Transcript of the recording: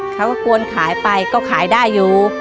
กวนขายไปก็ขายได้อยู่